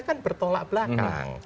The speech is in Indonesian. kan bertolak belakang